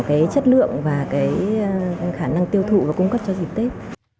cái chất lượng và cái khả năng tiêu thụ và cung cấp cho dịp tết